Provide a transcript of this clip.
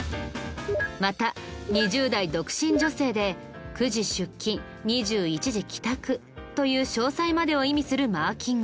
また２０代独身女性で９時出勤２１時帰宅という詳細までを意味するマーキングも。